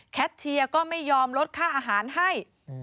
เชียร์ก็ไม่ยอมลดค่าอาหารให้